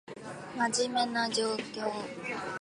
真面目な状況